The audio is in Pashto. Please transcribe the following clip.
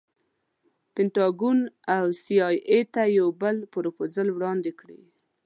پنټاګون او سي ای اې ته یو بل پروفوزل وړاندې کړي.